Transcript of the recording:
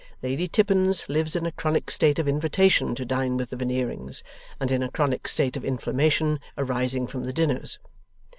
Lady Tippins lives in a chronic state of invitation to dine with the Veneerings, and in a chronic state of inflammation arising from the dinners.